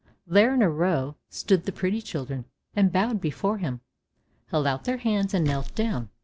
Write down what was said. There, in a row, stood the pretty children, and bowed before him, held out their hands, and knelt down.